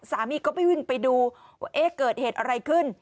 สามีก็ไปวิ่งไปดูว่าเอ๊ะเกิดเหตุอะไรขึ้น